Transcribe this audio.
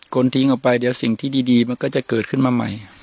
คนทิ้งออกไปเดี๋ยวสิ่งที่ดีมันก็จะเกิดขึ้นมาใหม่